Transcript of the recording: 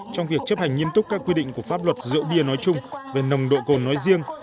trong việc chấp hành nghiêm túc các quy định của pháp luật rượu bia nói chung về nồng độ cồn nói riêng